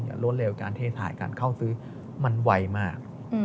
อย่าโล่นเร็วการเทสายการเข้าซื้อมันไวมาก